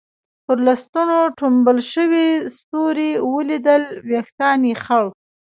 پر لستوڼو ټومبل شوي ستوري ولیدل، وېښتان یې خړ.